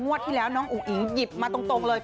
งวดที่แล้วน้องอุ๋อิงหยิบมาตรงเลย๘๐